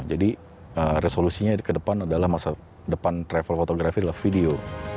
jadi resolusinya ke depan adalah masa depan travel photography adalah video